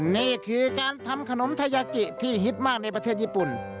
นี่คือการทำขนมไทยยากิที่ฮิตมากในประเทศญี่ปุ่น